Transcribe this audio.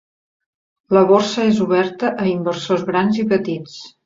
La Borsa és oberta a inversors grans i petits.